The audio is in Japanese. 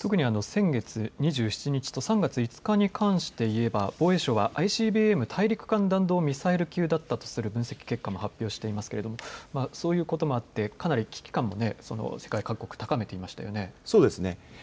特に先月２７日と３月５日に関して言えば防衛省はＩＣＢＭ・大陸間弾道ミサイル級だったとする分析結果も発表していますがそういうこともあってかなり危機感、世界各国、高めてますね。